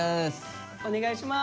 お願いします！